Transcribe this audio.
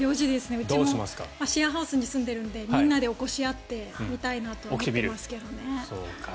うちもシェアハウスに住んでいるのでみんなで起こし合って見たいなと思っていますけどね。